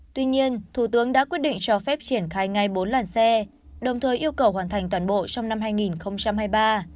tuy nhiên thủ tướng đã quyết định cho phép triển khai ngay bốn làn xe đồng thời yêu cầu hoàn thành toàn bộ trong năm hai nghìn hai mươi ba